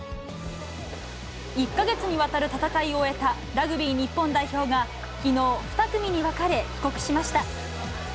１か月にわたる戦いを終えたラグビー日本代表が、きのう、２組に分かれ帰国しました。